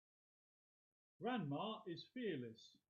Grandma is fearless.